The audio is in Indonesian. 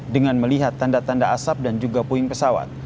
dengan melihat tanda tanda asap dan juga puing pesawat